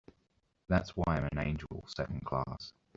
That's why I'm an angel Second Class.